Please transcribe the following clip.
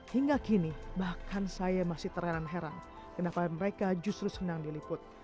hingga kini bahkan saya masih terheran heran kenapa mereka justru senang diliput